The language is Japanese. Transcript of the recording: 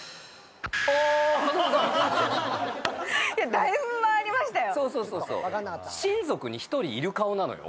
だいぶ、間がありましたよ。